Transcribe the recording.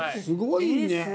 すごいね。